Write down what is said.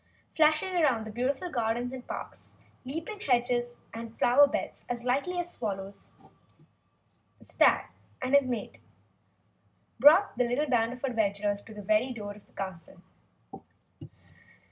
Flashing through the beautiful gardens and parks, leaping hedges and flower beds as lightly as swallows, the stag and his mate brought the little band of adventurers to the very door of the castle.